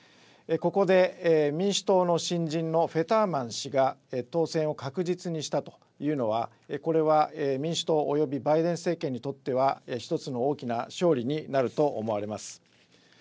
ここで民主党の新人のフェターマン氏が当選を確実にしたというのは、これは民主党、およびバイデン政権にとっては１つの大きな勝利になると思われます。